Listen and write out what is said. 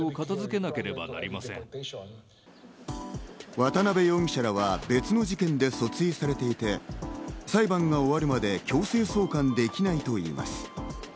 渡辺容疑者らは別の事件で訴追されて、裁判が終わるまで強制送還できないといいます。